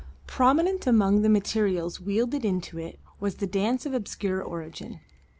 Prominent among the materials welded into it was the dance of obscure origin.